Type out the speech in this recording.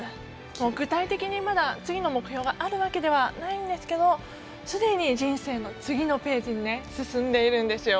具体的に次の目標があるわけではないんですがすでに人生の次のページに進んでいるんですよ。